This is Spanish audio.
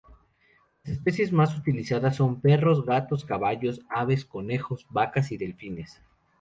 Las especies más utilizadas son perros, gatos, caballos, aves, conejos, vacas y delfines.